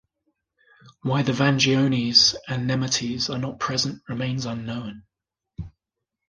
Why the Vangiones and Nemetes are not present remains unknown.